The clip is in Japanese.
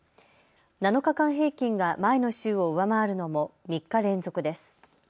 ７日間平均が前の週を上回るのも３日連続です。